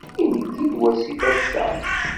Ingi-d wasif ass-a.